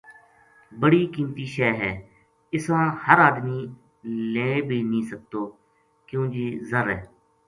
بڑی قیمتی شَے ہے اِساں ہر آدمی لیں بی نیہہ سکتو کیوں جی ذر ہے